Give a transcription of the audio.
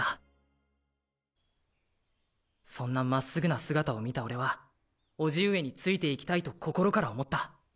現在そんなまっすぐな姿を見たオレは叔父上について行きたいと心から思った。